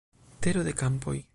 Tero de Kampoj.